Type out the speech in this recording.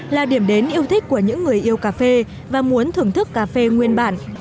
là điểm đến yêu thích của những người yêu cà phê và muốn thưởng thức cà phê nguyên bản